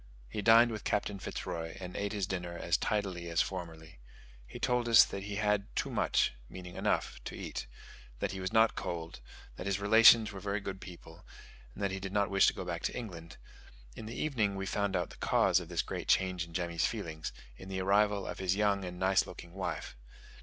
He dined with Captain Fitz Roy, and ate his dinner as tidily as formerly. He told us that he had "too much" (meaning enough) to eat, that he was not cold, that his relations were very good people, and that he did not wish to go back to England: in the evening we found out the cause of this great change in Jemmy's feelings, in the arrival of his young and nice looking wife.